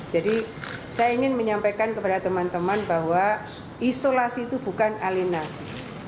jadi saya ingin menyampaikan kepada teman teman bahwa isolasi itu bukan alinasi